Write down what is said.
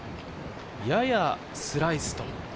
ややスライス。